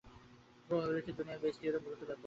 প্রবাবিলিটির দুনিয়ায় Bayes theorem গুরুত্ব ব্যাপক।